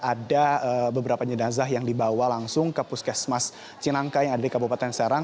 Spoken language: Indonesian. ada beberapa jenazah yang dibawa langsung ke puskesmas cinangka yang ada di kabupaten serang